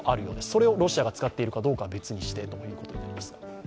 それをロシアが使ってるかどうかは別にしてということです。